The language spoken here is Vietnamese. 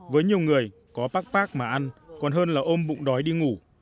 với nhiều người có pac mà ăn còn hơn là ôm bụng đói đi ngủ